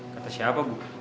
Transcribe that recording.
kata siapa bu